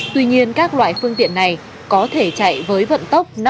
tuy nhiên các loại phương tiện yêu thích trong tới trẻ đặc biệt là học sinh